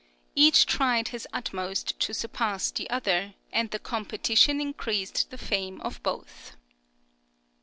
"Each tried his utmost to surpass the other, and the competition increased the fame of both."